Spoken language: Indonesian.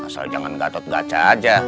asal jangan gatot gatot aja